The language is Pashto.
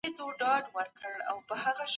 د ګوندونو ترمنځ سالمه سيالي د ډيموکراسۍ ښکلا ده.